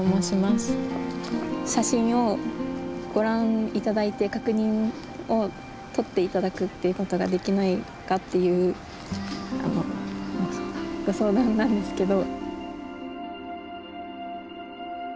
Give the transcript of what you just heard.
写真をご覧頂いて確認をとって頂くっていうことができないかっていうご相談なんですけど。